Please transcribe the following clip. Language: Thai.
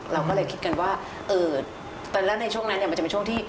เราก็เลยคิดกันว่าเออตอนแรกในช่วงนั้นเนี่ยมันจะเป็นช่วงที่